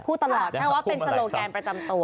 พูดตลอดแค่ว่าเป็นโซโลแกนประจำตัว